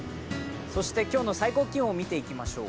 そして今日の最高気温を見ていきましょう。